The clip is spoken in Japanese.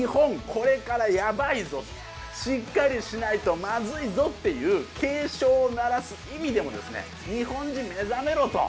これからヤバいぞとしっかりしないとまずいぞっていう警鐘を鳴らす意味でもですね日本人目覚めろ！と。